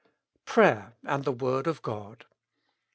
Prayer and thk Word of God.